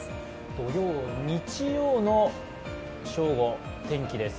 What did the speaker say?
土曜、日曜の正午、天気です。